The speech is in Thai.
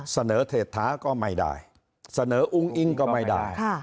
เสนอเทศท้าก็ไม่ได้เสนออุ้งอิงก็ไม่ได้ค่ะ